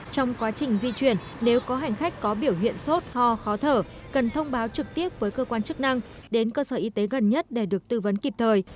trong quá trình di chuyển nếu có hành khách có biểu hiện sốt ho khó thở cần thông báo trực tiếp với cơ quan chức năng đến cơ sở y tế gần nhất để được tư vấn kịp thời